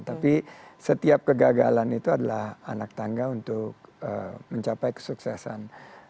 tapi setiap kegagalan itu adalah anak tangga untuk mencapai kesuksesan